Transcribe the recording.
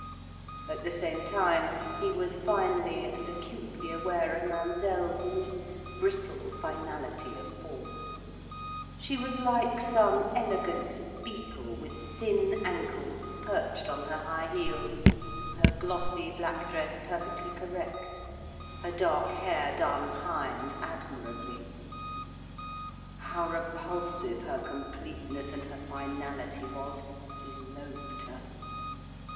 At the same time he was finely and acutely aware of Mademoiselle's neat, brittle finality of form. She was like some elegant beetle with thin ankles, perched on her high heels, her glossy black dress perfectly correct, her dark hair done high and admirably. How repulsive her completeness and her finality was! He loathed her.